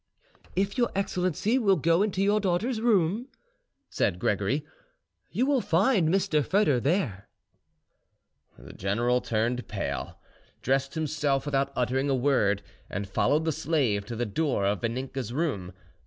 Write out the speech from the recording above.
"If your excellency will go into your daughter's room," said Gregory, "you will find Mr. Foedor there." The general turned pale, dressed himself without uttering a word, and followed the slave to the door of Vaninka's room.